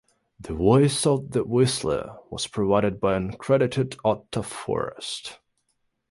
The "Voice of the Whistler" was provided by an uncredited Otto Forrest.